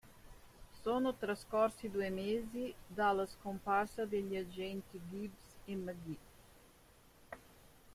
Sono trascorsi due mesi dalla scomparsa degli agenti Gibbs e McGee.